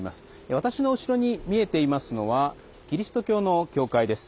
私の後ろに見えていますのはキリスト教の教会です。